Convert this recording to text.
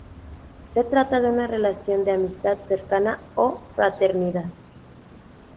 Se trata de una relación de amistad cercana o fraternidad.